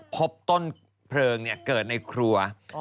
พบต้นเพลิงเกิดในครัว